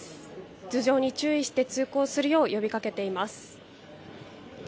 頭上に注意して通行するよう呼びかけています。